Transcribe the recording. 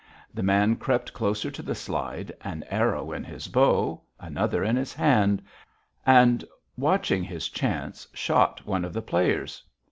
The man crept closer to the slide, an arrow in his bow, another in his hand, and, watching his chance, shot one of the players.